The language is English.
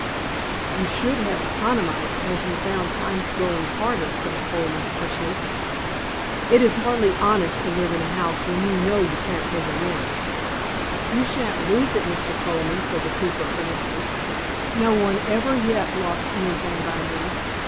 "You should have economized as you found times growing harder," said Colman, harshly. "It is hardly honest to live in a house when you know you can't pay the rent." "You sha'n't lose it Mr. Colman," said the cooper, earnestly. "No one ever yet lost anything by me.